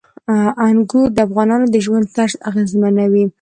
انګور د افغانانو د ژوند طرز اغېزمنوي.